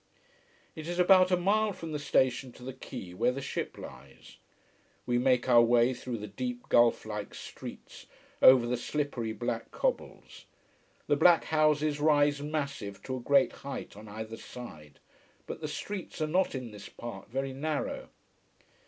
It is about a mile from the station to the quay where the ship lies. We make our way through the deep, gulf like streets, over the slippery black cobbles. The black houses rise massive to a great height on either side, but the streets are not in this part very narrow.